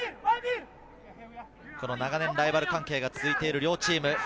長年ライバル関係が続いている両チーム。